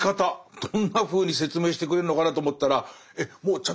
どんなふうに説明してくれるのかなと思ったらえっ